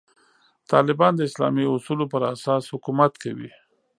طالبان د اسلامي اصولو پر اساس حکومت کوي.